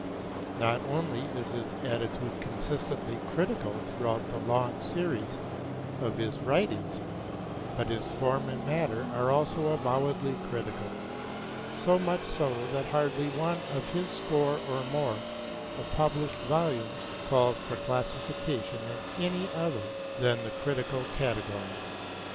Not only is his attitude consistently critical throughout the long series of his writings, but his form and matter are also avowedly critical; so much so that hardly one of his score or more of published volumes calls for classification in any other than the critical category.